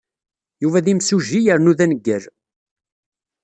Yuba d imsujji yernu d aneggal.